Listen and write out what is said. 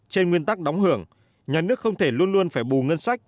trên nguyên tắc đóng hưởng nhà nước không thể luôn luôn phải bù ngân sách